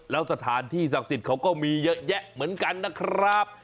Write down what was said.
แล้วสถานที่ศักดิ์สิทธิ์เขาก็มีเยอะแยะเหมือนกันนะครับ